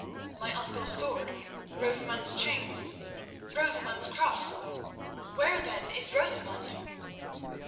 "My uncle's sword, Rosamund's chain, Rosamund's cross! Where, then, is Rosamund?"